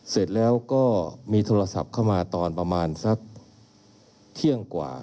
เสร็จแล้วก็มีโทรศัพท์เข้ามาตอนประมาณสักเที่ยงกว่า